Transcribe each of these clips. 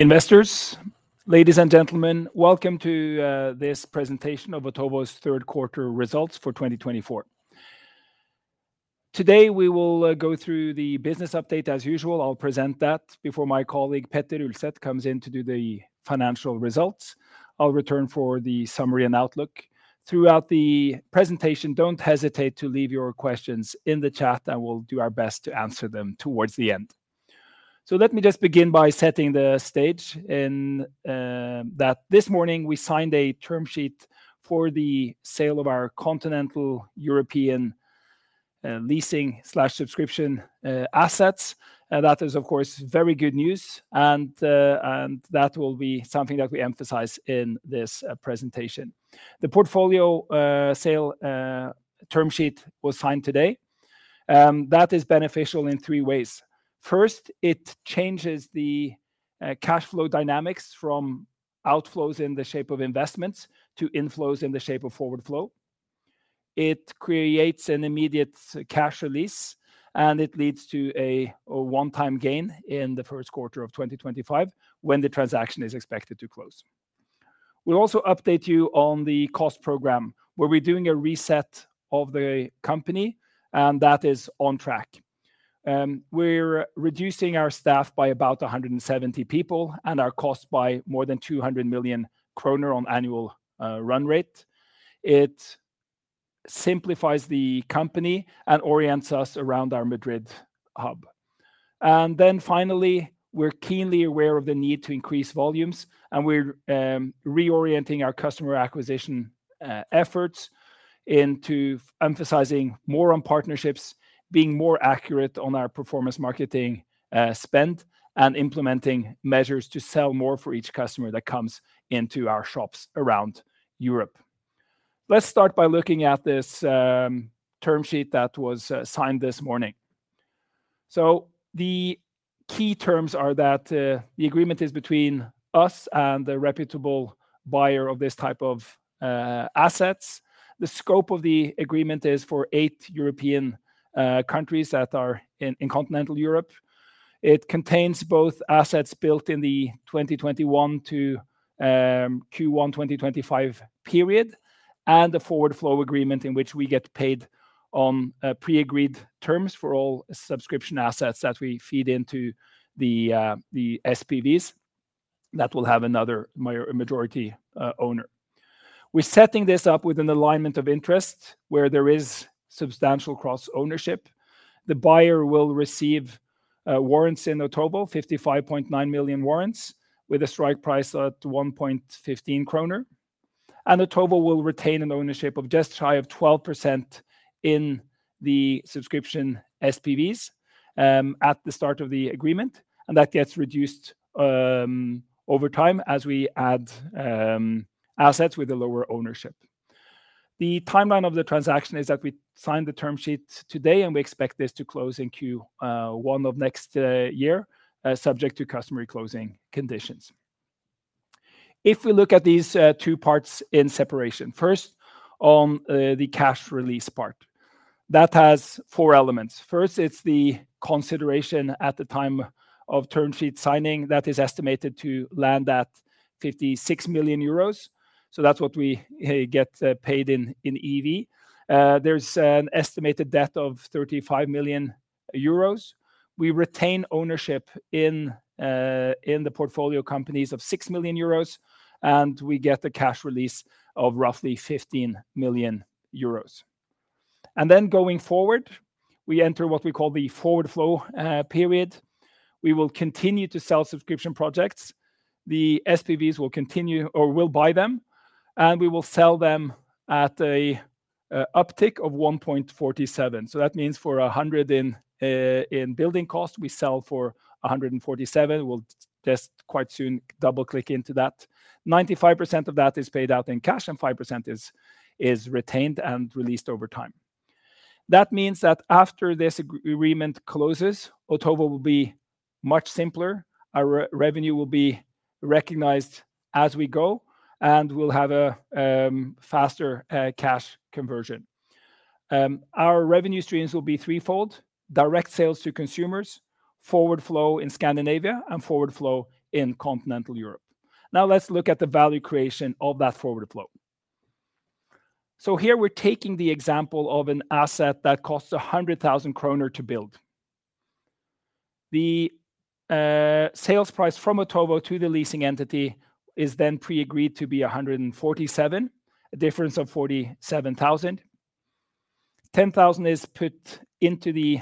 Investors, ladies and gentlemen, welcome to this presentation of Otovo's Third Quarter Results for 2024. Today, we will go through the business update as usual. I'll present that before my colleague, Petter Ulset comes in to do the financial results. I'll return for the summary and outlook. Throughout the presentation, don't hesitate to leave your questions in the chat, and we'll do our best to answer them towards the end. So let me just begin by setting the stage in that this morning we signed a term sheet for the sale of our Continental European leasing/subscription assets. And that is, of course, very good news, and that will be something that we emphasize in this presentation. The portfolio sale term sheet was signed today. That is beneficial in three ways. First, it changes the cash flow dynamics from outflows in the shape of investments to inflows in the shape of forward flow. It creates an immediate cash release, and it leads to a one-time gain in the first quarter of 2025, when the transaction is expected to close. We'll also update you on the cost program, where we're doing a reset of the company, and that is on track. We're reducing our staff by about 170 people and our cost by more than 200 million kroner on annual run rate. It simplifies the company and orients us around our Madrid hub. Finally, we're keenly aware of the need to increase volumes, and we're reorienting our customer acquisition efforts into emphasizing more on partnerships, being more accurate on our performance marketing spend, and implementing measures to sell more for each customer that comes into our shops around Europe. Let's start by looking at this term sheet that was signed this morning. The key terms are that the agreement is between us and the reputable buyer of this type of assets. The scope of the agreement is for eight European countries that are in Continental Europe. It contains both assets built in the 2021 to Q1 2025 period, and a forward flow agreement in which we get paid on pre-agreed terms for all subscription assets that we feed into the SPVs. That will have another majority owner. We're setting this up with an alignment of interest, where there is substantial cross-ownership. The buyer will receive warrants in Otovo, 55.9 million warrants, with a strike price at 1.15 kroner. Otovo will retain an ownership of just shy of 12% in the subscription SPVs at the start of the agreement, and that gets reduced over time as we add assets with a lower ownership. The timeline of the transaction is that we signed the term sheet today, and we expect this to close in Q1 of next year, subject to customary closing conditions. If we look at these two parts in separation, first, on the cash release part. That has four elements. First, it's the consideration at the time of term sheet signing that is estimated to land at 56 million euros, so that's what we get paid in EV. There's an estimated debt of 35 million euros. We retain ownership in the portfolio companies of 6 million euros, and we get a cash release of roughly 15 million euros, and then going forward, we enter what we call the forward flow period. We will continue to sell subscription projects. The SPVs will continue or will buy them, and we will sell them at a uptick of 1.47, so that means for 100 in building cost, we sell for 147. We'll just quite soon double-click into that. 95% of that is paid out in cash, and 5% is retained and released over time. That means that after this agreement closes, Otovo will be much simpler. Our revenue will be recognized as we go, and we'll have a faster cash conversion. Our revenue streams will be threefold: direct sales to consumers, forward flow in Scandinavia, and forward flow in Continental Europe. Now let's look at the value creation of that forward flow. So here we're taking the example of an asset that costs 100,000 kroner to build. The sales price from Otovo to the leasing entity is then pre-agreed to be 147,000, a difference of 47,000. 10,000 is put into the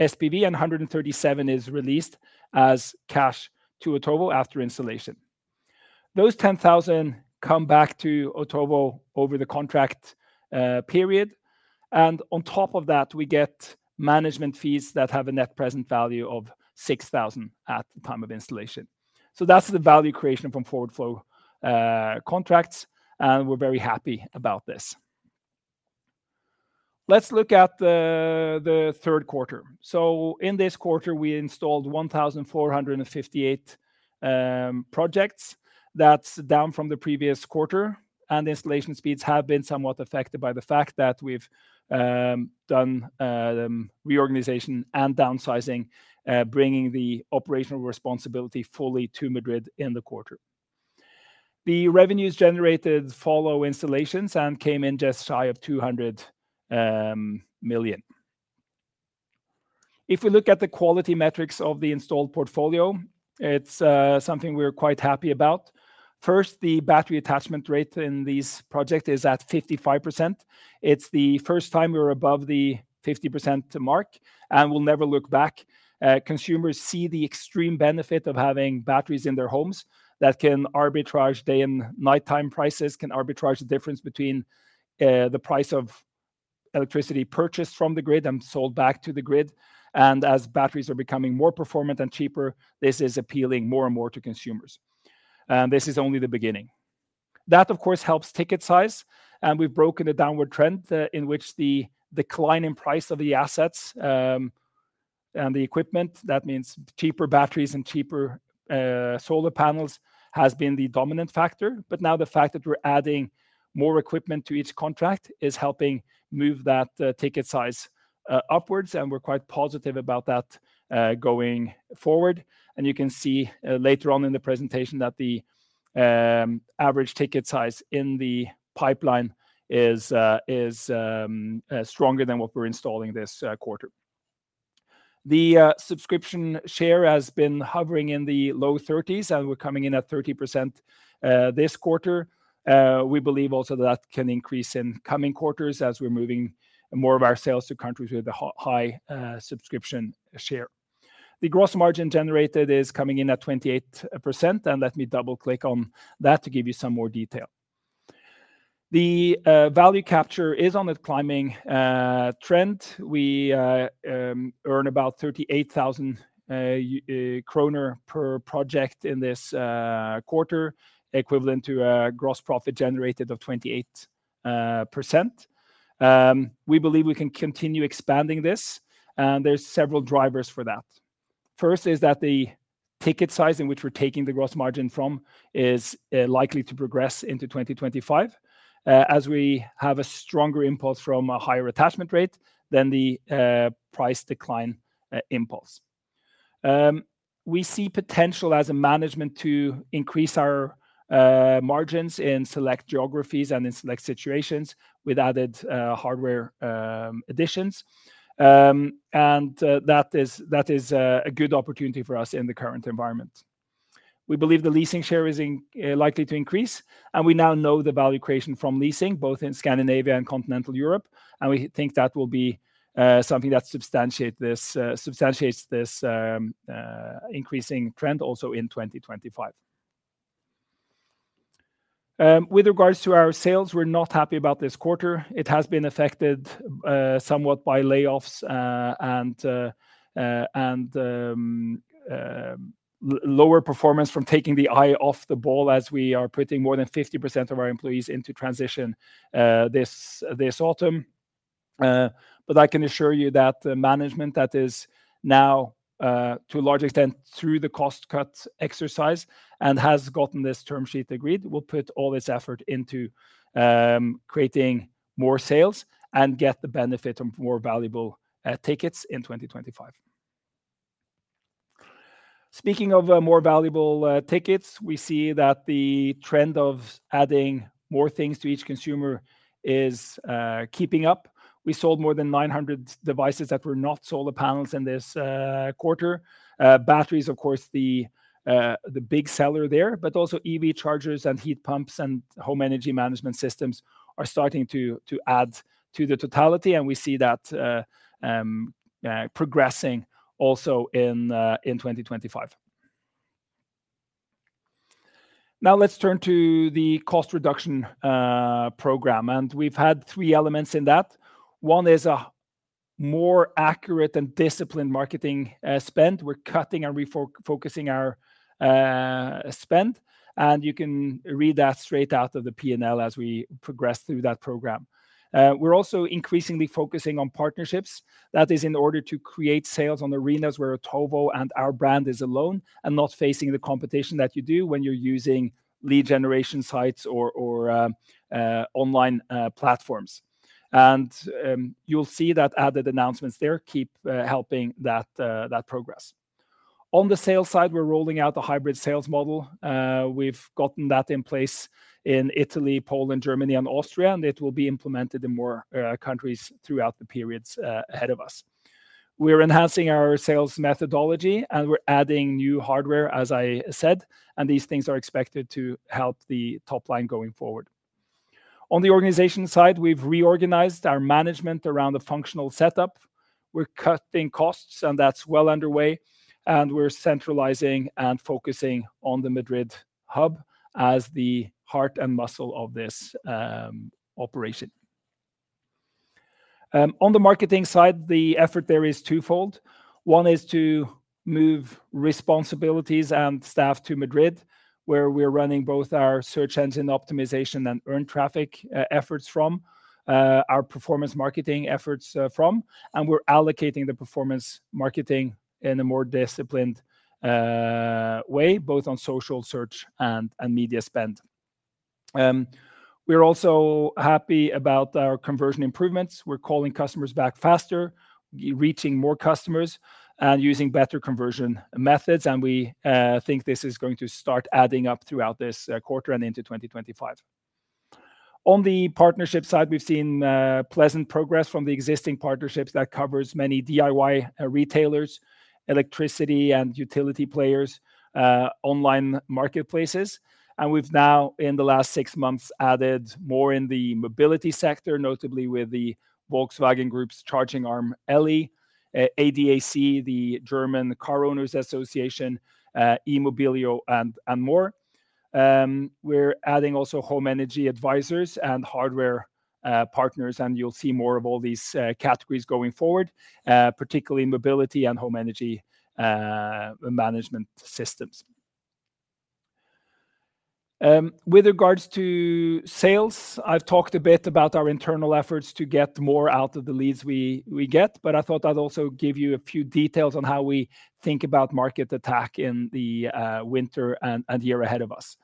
SPV, and 137,000 is released as cash to Otovo after installation. Those 10,000 come back to Otovo over the contract period, and on top of that, we get management fees that have a net present value of 6,000 at the time of installation. So that's the value creation from forward flow contracts, and we're very happy about this. Let's look at the third quarter. So in this quarter, we installed 1,458 projects. That's down from the previous quarter, and the installation speeds have been somewhat affected by the fact that we've done reorganization and downsizing, bringing the operational responsibility fully to Madrid in the quarter. The revenues generated follow installations and came in just shy of 200 million. If we look at the quality metrics of the installed portfolio, it's something we're quite happy about. First, the battery attachment rate in this project is at 55%. It's the first time we're above the 50% mark, and we'll never look back. Consumers see the extreme benefit of having batteries in their homes that can arbitrage day and nighttime prices, can arbitrage the difference between the price of electricity purchased from the grid and sold back to the grid. And as batteries are becoming more performant and cheaper, this is appealing more and more to consumers. And this is only the beginning. That, of course, helps ticket size, and we've broken the downward trend in which the decline in price of the assets and the equipment, that means cheaper batteries and cheaper solar panels, has been the dominant factor. But now the fact that we're adding more equipment to each contract is helping move that ticket size upwards, and we're quite positive about that going forward. And you can see later on in the presentation that the average ticket size in the pipeline is stronger than what we're installing this quarter. The subscription share has been hovering in the low thirties, and we're coming in at 30% this quarter. We believe also that can increase in coming quarters as we're moving more of our sales to countries with a high subscription share. The gross margin generated is coming in at 28%, and let me double-click on that to give you some more detail. The value capture is on a climbing trend. We earn about 38,000 kroner per project in this quarter, equivalent to a gross profit generated of 28%. We believe we can continue expanding this, and there's several drivers for that. First is that the ticket size in which we're taking the gross margin from is likely to progress into 2025, as we have a stronger impulse from a higher attachment rate than the price decline impulse. We see potential as a management to increase our margins in select geographies and in select situations with added hardware additions. And that is a good opportunity for us in the current environment. We believe the leasing share is likely to increase, and we now know the value creation from leasing, both in Scandinavia and Continental Europe, and we think that will be something that substantiates this increasing trend also in 2025. With regards to our sales, we're not happy about this quarter. It has been affected somewhat by layoffs and lower performance from taking the eye off the ball as we are putting more than 50% of our employees into transition this autumn. But I can assure you that the management that is now, to a large extent, through the cost-cutting exercise and has gotten this term sheet agreed, will put all its effort into creating more sales and get the benefit of more valuable tickets in 2025. Speaking of more valuable tickets, we see that the trend of adding more things to each consumer is keeping up. We sold more than 900 devices that were not solar panels in this quarter. Batteries, of course, the big seller there, but also EV chargers and heat pumps and home energy management systems are starting to add to the totality, and we see that progressing also in 2025. Now let's turn to the cost reduction program, and we've had three elements in that. One is a more accurate and disciplined marketing spend. We're cutting and focusing our spend, and you can read that straight out of the P&L as we progress through that program. We're also increasingly focusing on partnerships. That is in order to create sales on arenas where Otovo and our brand is alone and not facing the competition that you do when you're using lead generation sites or online platforms, and you'll see that added announcements there keep helping that progress. On the sales side, we're rolling out the hybrid sales model. We've gotten that in place in Italy, Poland, Germany, and Austria, and it will be implemented in more countries throughout the periods ahead of us. We're enhancing our sales methodology, and we're adding new hardware, as I said, and these things are expected to help the top line going forward. On the organization side, we've reorganized our management around the functional setup. We're cutting costs, and that's well underway, and we're centralizing and focusing on the Madrid hub as the heart and muscle of this operation. On the marketing side, the effort there is twofold. One is to move responsibilities and staff to Madrid, where we're running both our search engine optimization and earned traffic efforts from our performance marketing efforts, and we're allocating the performance marketing in a more disciplined way, both on social search and media spend. We're also happy about our conversion improvements. We're calling customers back faster, reaching more customers, and using better conversion methods, and we think this is going to start adding up throughout this quarter and into 2025. On the partnership side, we've seen pleasant progress from the existing partnerships that covers many DIY retailers, electricity and utility players, online marketplaces, and we've now, in the last six months, added more in the mobility sector, notably with the Volkswagen Group's charging arm, Elli, ADAC, the German Car Owners Association, e-mobilio, and more. We're adding also home energy advisors and hardware partners, and you'll see more of all these categories going forward, particularly mobility and home energy management systems. With regards to sales, I've talked a bit about our internal efforts to get more out of the leads we get, but I thought I'd also give you a few details on how we think about market attack in the winter and the year ahead of us.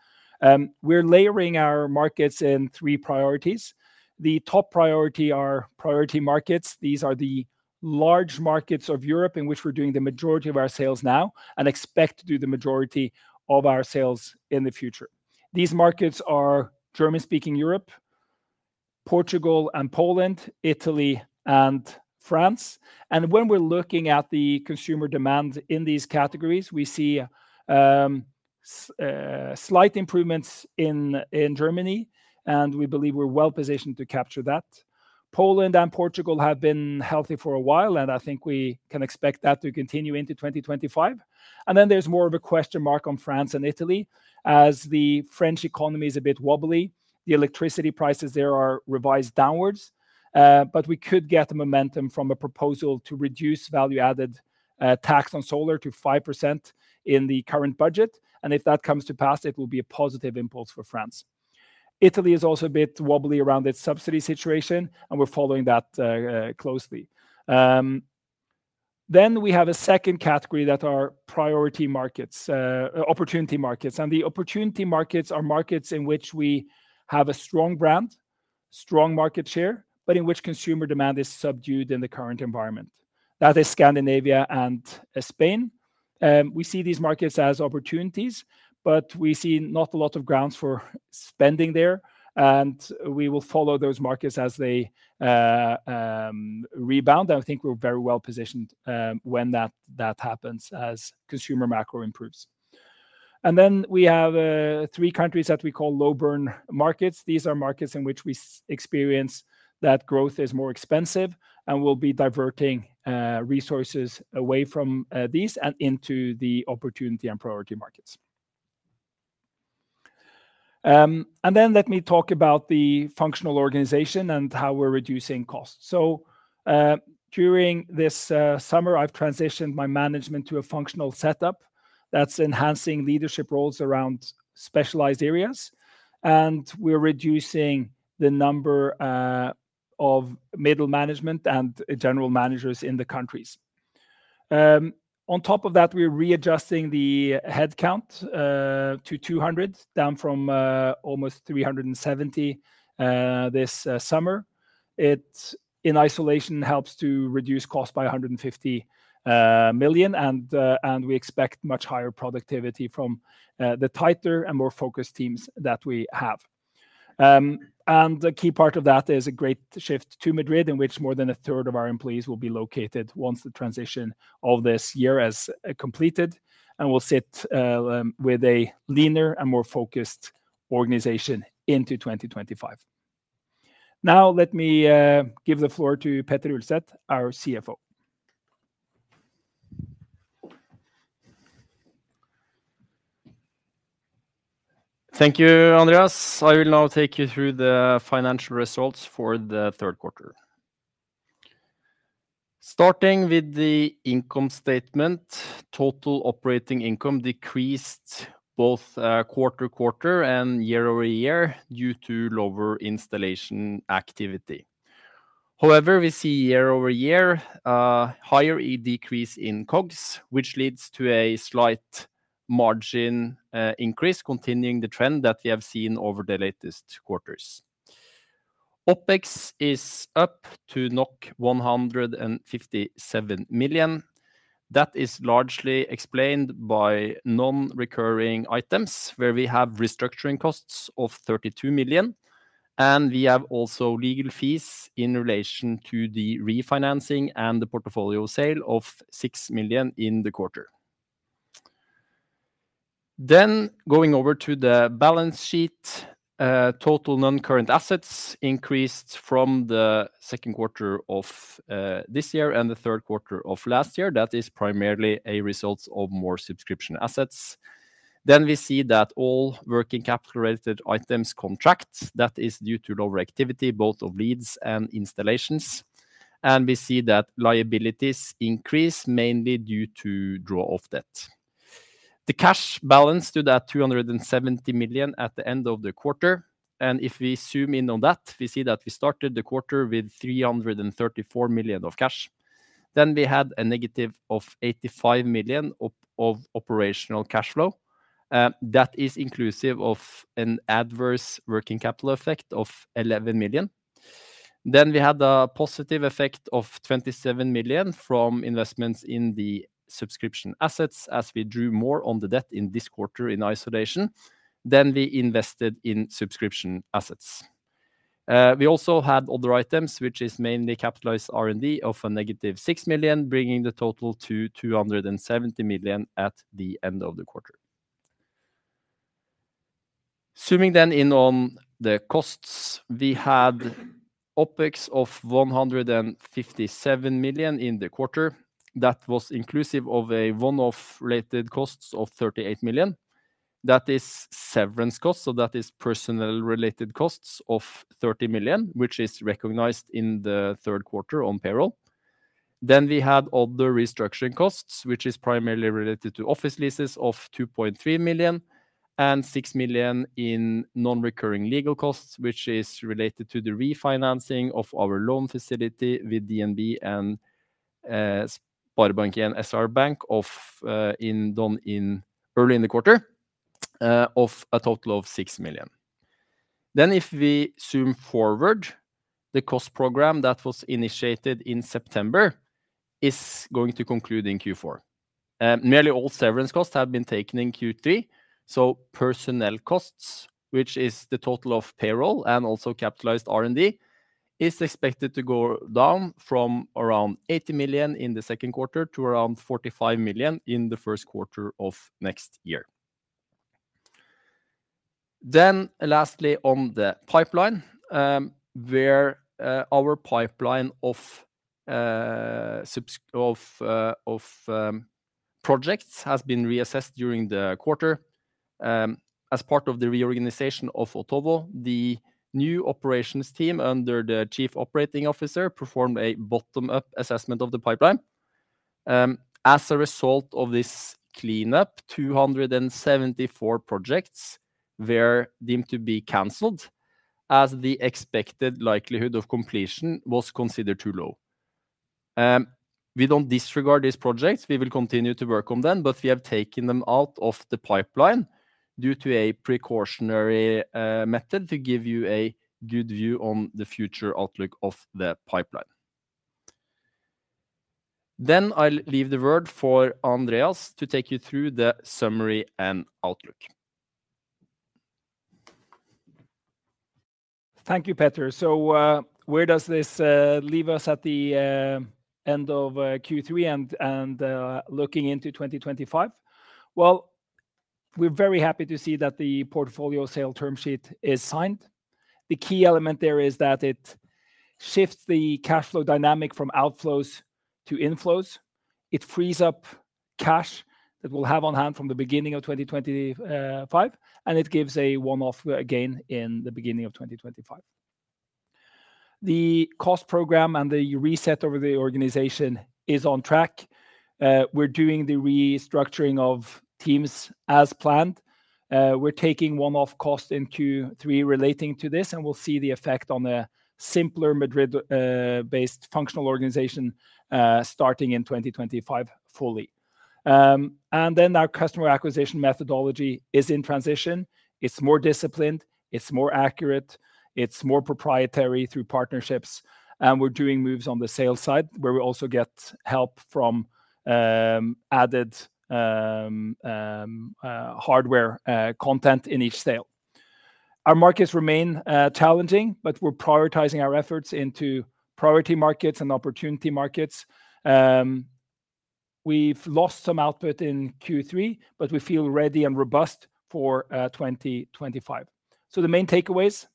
We're layering our markets in three priorities. The top priority are priority markets. These are the large markets of Europe, in which we're doing the majority of our sales now, and expect to do the majority of our sales in the future. These markets are German-speaking Europe, Portugal and Poland, Italy and France. And when we're looking at the consumer demand in these categories, we see slight improvements in Germany, and we believe we're well positioned to capture that. Poland and Portugal have been healthy for a while, and I think we can expect that to continue into 2025. And then there's more of a question mark on France and Italy. As the French economy is a bit wobbly, the electricity prices there are revised downwards, but we could get the momentum from a proposal to reduce value-added tax on solar to 5% in the current budget, and if that comes to pass, it will be a positive impulse for France. Italy is also a bit wobbly around its subsidy situation, and we're following that closely. Then we have a second category that are priority markets... opportunity markets. And the opportunity markets are markets in which we have a strong brand, strong market share, but in which consumer demand is subdued in the current environment. That is Scandinavia and Spain. We see these markets as opportunities, but we see not a lot of grounds for spending there, and we will follow those markets as they rebound. And I think we're very well positioned when that happens as consumer macro improves. And then we have three countries that we call low-burn markets. These are markets in which we experience that growth is more expensive and we'll be diverting resources away from these and into the opportunity and priority markets. And then let me talk about the functional organization and how we're reducing costs. So during this summer, I've transitioned my management to a functional setup that's enhancing leadership roles around specialized areas, and we're reducing the number of middle management and general managers in the countries. On top of that, we're readjusting the headcount to 200, down from almost 370 this summer. It in isolation helps to reduce cost by 150 million, and we expect much higher productivity from the tighter and more focused teams that we have. And the key part of that is a great shift to Madrid, in which more than a third of our employees will be located once the transition of this year has completed, and we'll sit with a leaner and more focused organization into 2025. Now, let me give the floor to Petter Ulset, our CFO. Thank you, Andreas. I will now take you through the financial results for the third quarter. Starting with the income statement, total operating income decreased both quarter-to-quarter and year-over-year due to lower installation activity. However, we see year-over-year higher unit decrease in COGS, which leads to a slight margin increase, continuing the trend that we have seen over the latest quarters. OpEx is up to 157 million. That is largely explained by non-recurring items, where we have restructuring costs of 32 million, and we have also legal fees in relation to the refinancing and the portfolio sale of 6 million in the quarter. Then, going over to the balance sheet, total non-current assets increased from the second quarter of this year and the third quarter of last year. That is primarily a result of more subscription assets. Then we see that all working capital-related items contract. That is due to lower activity, both of leads and installations. And we see that liabilities increase mainly due to draw of debt. The cash balance stood at 270 million at the end of the quarter, and if we zoom in on that, we see that we started the quarter with 334 million of cash. Then we had a negative of 85 million of operational cash flow. That is inclusive of an adverse working capital effect of 11 million. Then we had a positive effect of 27 million from investments in the subscription assets, as we drew more on the debt in this quarter in isolation than we invested in subscription assets. We also had other items, which is mainly capitalized R&D of -6 million, bringing the total to 270 million at the end of the quarter. Zooming then in on the costs, we had OpEx of 157 million in the quarter. That was inclusive of a one-off related costs of 38 million. That is severance costs, so that is personnel related costs of 30 million, which is recognized in the third quarter on payroll. Then we had other restructuring costs, which is primarily related to office leases of 2.3 million, and 6 million in non-recurring legal costs, which is related to the refinancing of our loan facility with DNB and SR-Bank done in early in the quarter of a total of 6 million. If we zoom forward, the cost program that was initiated in September is going to conclude in Q4. Nearly all severance costs have been taken in Q3, so personnel costs, which is the total of payroll and also capitalized R&D, is expected to go down from around 80 million in the second quarter to around 45 million in the first quarter of next year. Lastly, on the pipeline, our pipeline of projects has been reassessed during the quarter. As part of the reorganization of Otovo, the new operations team, under the Chief Operating Officer, performed a bottom-up assessment of the pipeline. As a result of this cleanup, 274 projects were deemed to be canceled, as the expected likelihood of completion was considered too low. We don't disregard these projects. We will continue to work on them, but we have taken them out of the pipeline due to a precautionary method to give you a good view on the future outlook of the pipeline. Then I'll leave the word for Andreas to take you through the summary and outlook. Thank you, Petter. So, where does this leave us at the end of Q3 and looking into 2025? Well, we're very happy to see that the portfolio sale term sheet is signed. The key element there is that it shifts the cashflow dynamic from outflows to inflows. It frees up cash that we'll have on hand from the beginning of 2025, and it gives a one-off gain in the beginning of 2025. The cost program and the reset of the organization is on track. We're doing the restructuring of teams as planned. We're taking one-off costs in Q3 relating to this, and we'll see the effect on a simpler Madrid-based functional organization starting in 2025, fully. And then our customer acquisition methodology is in transition. It's more disciplined, it's more accurate, it's more proprietary through partnerships, and we're doing moves on the sales side, where we also get help from added hardware content in each sale. Our markets remain challenging, but we're prioritizing our efforts into priority markets and opportunity markets. We've lost some output in Q3, but we feel ready and robust for 2025. So the main takeaways,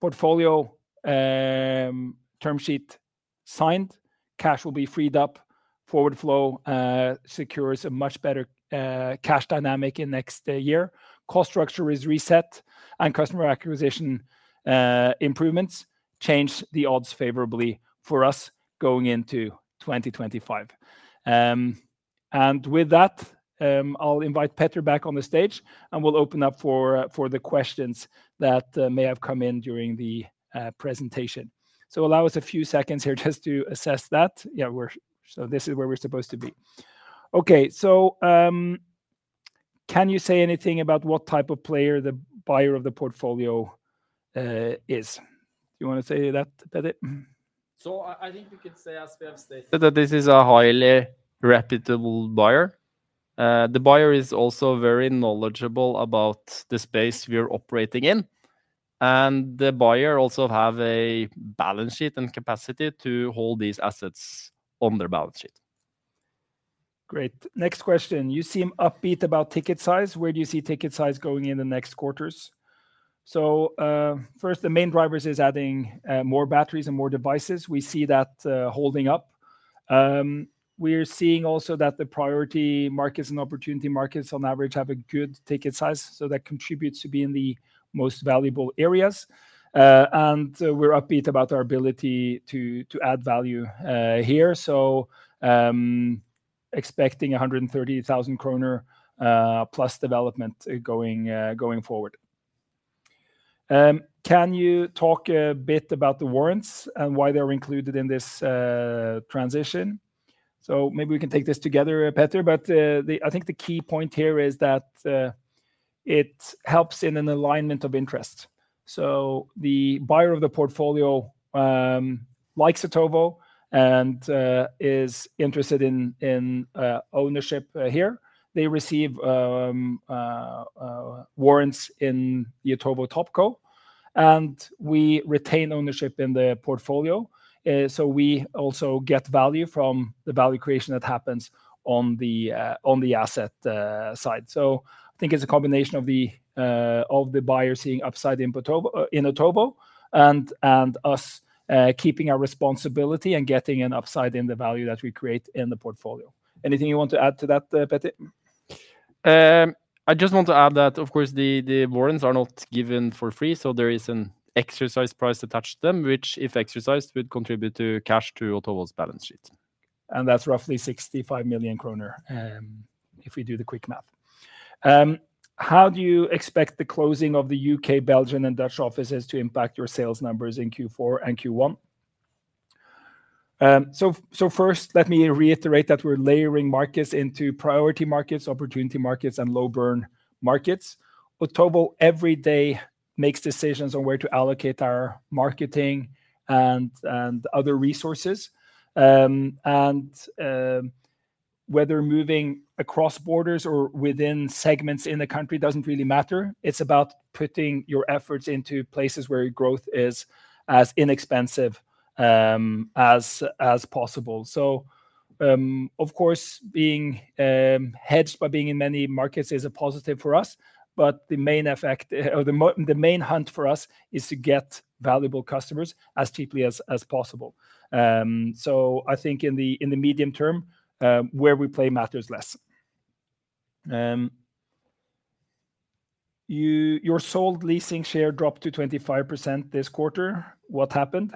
portfolio term sheet signed, cash will be freed up, forward flow secures a much better cash dynamic in next year. Cost structure is reset, and customer acquisition improvements change the odds favorably for us going into 2025. And with that, I'll invite Petter back on the stage, and we'll open up for the questions that may have come in during the presentation. Allow us a few seconds here just to assess that. Yeah, we're... So this is where we're supposed to be. Okay. So, can you say anything about what type of player the buyer of the portfolio is? Do you wanna say that it? I think we could say, as we have stated, that this is a highly reputable buyer. The buyer is also very knowledgeable about the space we're operating in, and the buyer also have a balance sheet and capacity to hold these assets on their balance sheet. Great. Next question: You seem upbeat about ticket size. Where do you see ticket size going in the next quarters? So, first, the main drivers is adding more batteries and more devices. We see that holding up. We're seeing also that the priority markets and opportunity markets, on average, have a good ticket size, so that contributes to be in the most valuable areas. And we're upbeat about our ability to add value here, so expecting 130,000 kroner plus development going forward. Can you talk a bit about the warrants and why they're included in this transition? So maybe we can take this together, Petter, but I think the key point here is that it helps in an alignment of interest. So the buyer of the portfolio likes Otovo and is interested in ownership here. They receive warrants in the Otovo TopCo, and we retain ownership in the portfolio. So we also get value from the value creation that happens on the asset side. So I think it's a combination of the buyer seeing upside in Otovo, and us keeping our responsibility and getting an upside in the value that we create in the portfolio. Anything you want to add to that, Petter? I just want to add that, of course, the warrants are not given for free, so there is an exercise price attached to them, which, if exercised, would contribute to cash to Otovo's balance sheet. That's roughly 65 million kroner, if we do the quick math. How do you expect the closing of the U.K., Belgian, and Dutch offices to impact your sales numbers in Q4 and Q1? First, let me reiterate that we're layering markets into priority markets, opportunity markets, and low burn markets. Otovo every day makes decisions on where to allocate our marketing and other resources. And whether moving across borders or within segments in the country doesn't really matter. It's about putting your efforts into places where growth is as inexpensive as possible. Of course, being hedged by being in many markets is a positive for us, but the main effect or the main hunt for us is to get valuable customers as cheaply as possible. I think in the medium term, where we play matters less. Your solar leasing share dropped to 25% this quarter. What happened?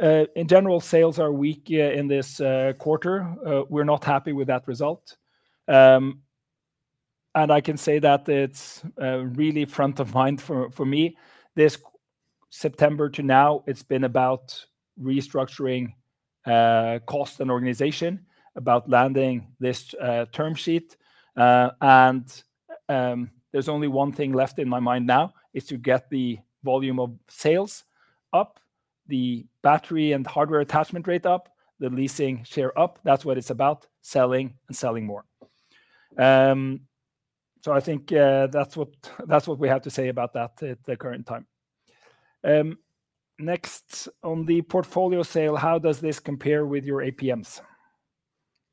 In general, sales are weak in this quarter. We're not happy with that result. I can say that it's really front of mind for me. This September to now, it's been about restructuring cost and organization, about landing this term sheet. And there's only one thing left in my mind now, is to get the volume of sales up, the battery and hardware attachment rate up, the leasing share up. That's what it's about, selling and selling more. I think that's what we have to say about that at the current time. Next, on the portfolio sale, how does this compare with your APMs?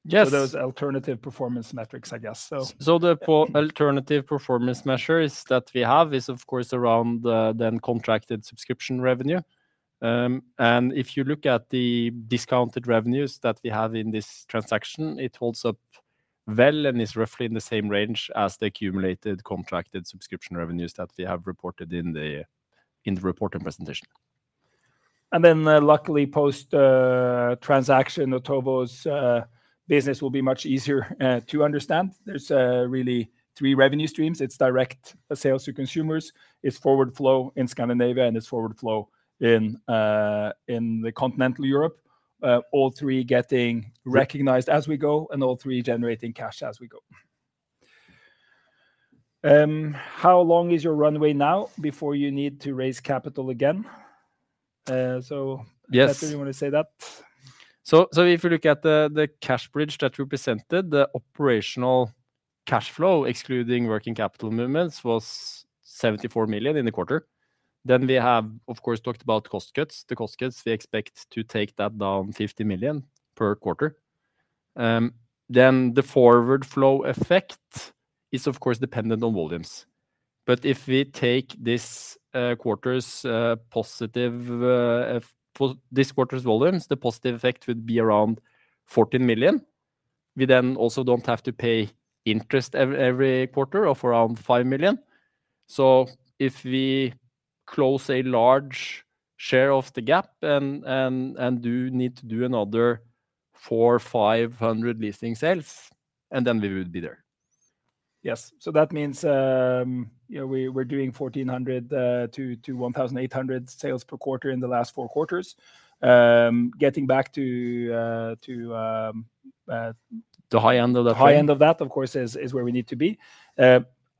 Yes. Those alternative performance metrics, I guess so. The alternative performance measure that we have is, of course, around the net contracted subscription revenue. And if you look at the discounted revenues that we have in this transaction, it holds up well and is roughly in the same range as the accumulated contracted subscription revenues that we have reported in the report and presentation. And then, luckily, post transaction, Otovo's business will be much easier to understand. There's really three revenue streams. It's direct sales to consumers, it's forward flow in Scandinavia, and it's forward flow in the Continental Europe. All three getting recognized as we go, and all three generating cash as we go. How long is your runway now before you need to raise capital again? So- Yes... Petter, you want to say that? If you look at the cash bridge that we presented, the operational cash flow, excluding working capital movements, was 74 million in the quarter. Then we have, of course, talked about cost cuts. The cost cuts, we expect to take that down 50 million per quarter. Then the forward flow effect is, of course, dependent on volumes. But if we take this quarter's positive for this quarter's volumes, the positive effect would be around 14 million. We then also don't have to pay interest every quarter of around 5 million. So if we close a large share of the gap and do need to do another 400-500 leasing sales, and then we will be there. Yes. So that means, you know, we're doing 1,400 to 1,800 sales per quarter in the last four quarters. Getting back to, The high end of that. The high end of that, of course, is where we need to be.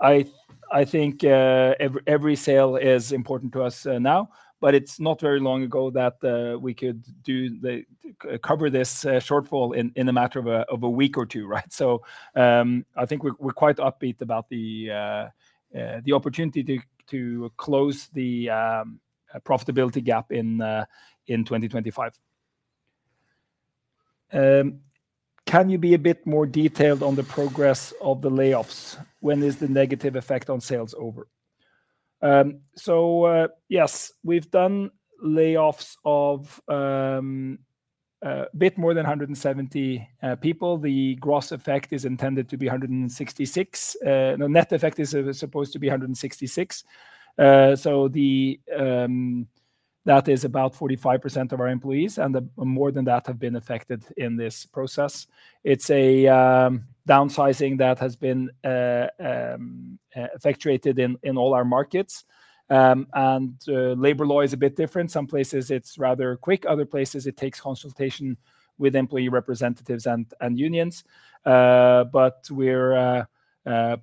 I think every sale is important to us now, but it's not very long ago that we could cover this shortfall in a matter of a week or two, right? So I think we're quite upbeat about the opportunity to close the profitability gap in 2025. Can you be a bit more detailed on the progress of the layoffs? When is the negative effect on sales over? So yes, we've done layoffs of a bit more than 170 people. The gross effect is intended to be 166. No, net effect is supposed to be 166. So the... That is about 45% of our employees, and the more than that have been affected in this process. It's a downsizing that has been effectuated in all our markets. And labor law is a bit different. Some places it's rather quick, other places it takes consultation with employee representatives and unions. But we're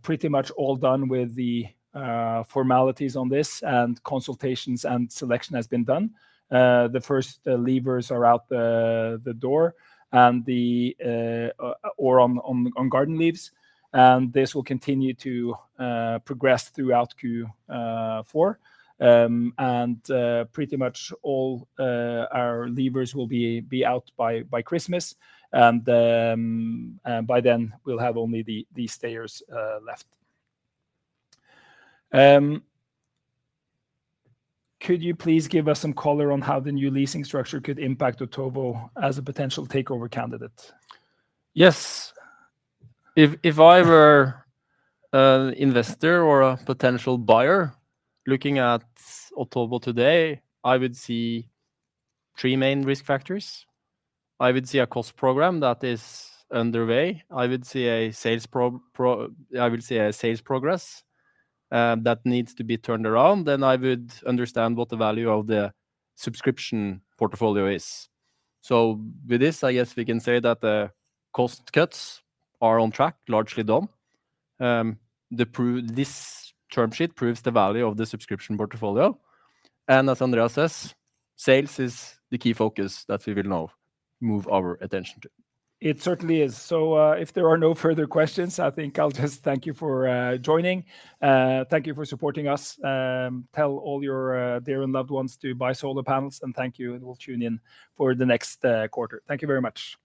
pretty much all done with the formalities on this, and consultations and selection has been done. The first leavers are out the door, or on garden leave, and this will continue to progress throughout Q4. And pretty much all our leavers will be out by Christmas, and by then we'll have only the stayers left. Could you please give us some color on how the new leasing structure could impact Otovo as a potential takeover candidate? Yes. If I were an investor or a potential buyer looking at Otovo today, I would see three main risk factors. I would see a cost program that is underway. I would see a sales progress that needs to be turned around, then I would understand what the value of the subscription portfolio is. So with this, I guess we can say that the cost cuts are on track, largely done. This term sheet proves the value of the subscription portfolio, and as Andreas says, sales is the key focus that we will now move our attention to. It certainly is. So, if there are no further questions, I think I'll just thank you for joining. Thank you for supporting us. Tell all your dear and loved ones to buy solar panels, and thank you, and we'll tune in for the next quarter. Thank you very much.